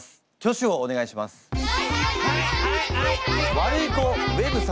ワルイコウェブ様。